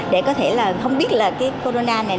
để có thể là không biết là cái corona này